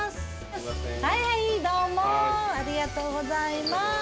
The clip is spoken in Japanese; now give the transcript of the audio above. はいはいどうもありがとうございます。